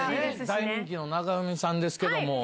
大人気の中上さんですけども。